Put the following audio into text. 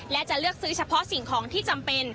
และจะเลือกซื้อเฉพาะสิ่งของที่จำเป็น